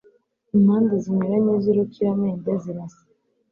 Impande zinyuranye zurukiramende zirasa.